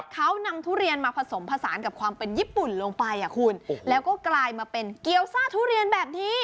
เขานำทุเรียนมาผสมผสานกับความเป็นญี่ปุ่นลงไปอ่ะคุณแล้วก็กลายมาเป็นเกี้ยวซ่าทุเรียนแบบนี้